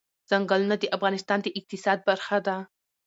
ځنګلونه د افغانستان د اقتصاد برخه ده.